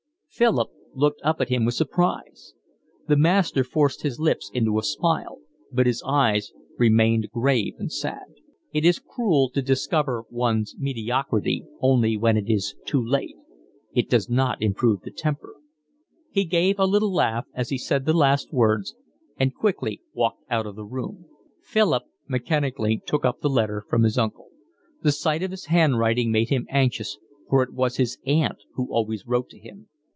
Philip looked up at him with surprise. The master forced his lips into a smile, but his eyes remained grave and sad. "It is cruel to discover one's mediocrity only when it is too late. It does not improve the temper." He gave a little laugh as he said the last words and quickly walked out of the room. Philip mechanically took up the letter from his uncle. The sight of his handwriting made him anxious, for it was his aunt who always wrote to him.